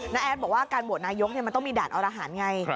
แอดบอกว่าการโหวตนายกมันต้องมีด่านอรหารไง